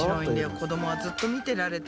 子供はずっと見てられた。